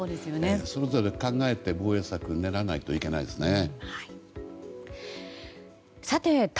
それぞれ考えて、防衛策を練らないといけないですね。